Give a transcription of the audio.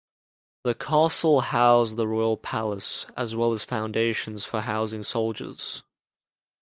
The castle housed the royal palace, as well as foundations for housing soldiers.